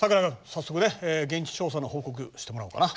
早速ね現地調査の報告してもらおうかな。